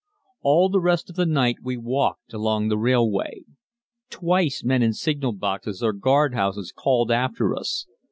All the rest of the night we walked along the railway. Twice men in signal boxes or guard houses called after us.